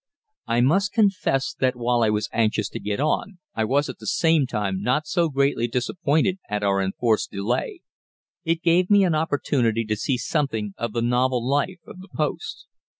I must confess that while I was anxious to get on, I was at the same time not so greatly disappointed at our enforced delay; it gave me an opportunity to see something of the novel life of the post.